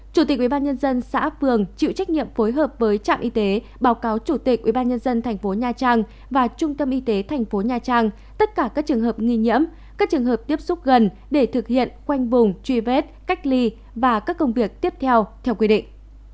chủ tịch ubnd xã phường chịu trách nhiệm phối hợp với trạm y tế báo cáo chủ tịch ubnd tp nha trang và trung tâm y tế thành phố nha trang tất cả các trường hợp nghi nhiễm các trường hợp tiếp xúc gần để thực hiện quanh vùng truy vết cách ly và các công việc tiếp theo theo quy định